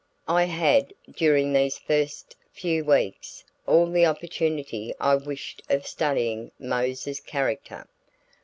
I had, during these first few weeks, all the opportunity I wished of studying Mose's character.